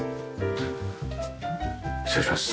失礼します。